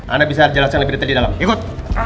anda bisa jelasin lebih detil di dalam ikut